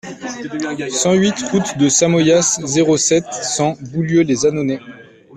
cent huit route de Samoyas, zéro sept, cent, Boulieu-lès-Annonay